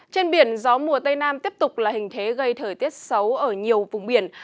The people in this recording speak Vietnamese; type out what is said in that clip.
trên biển gió mùa tây nam tiếp tục là hình thế gây thời tiết xấu ở nhiều vùng biển